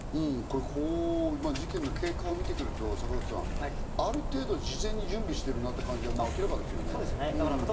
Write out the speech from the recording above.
事件の経過を見てくると坂口さん、ある程度、事前に準備してるなって感じは明らかですね。